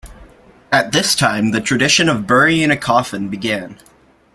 At this time the tradition of burying a coffin began.